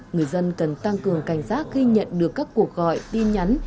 người dân cần tăng cường cảnh giác khi nhận được các cuộc gọi tin nhắn